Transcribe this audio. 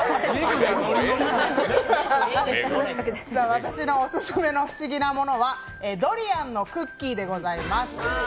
私のオススメの不思議なものはドリアンのクッキーでございます。